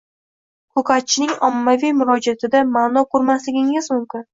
Ko‘katchining ommaviy murojaatida ma’no ko‘rmasligingiz mumkin.